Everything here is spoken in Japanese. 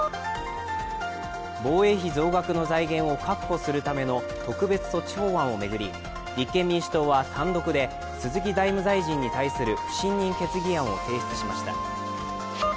防衛費増額の財源を確保するための特別措置法案を巡り立憲民主党は単独で鈴木財務大臣に対する不信任決議案を提出しました。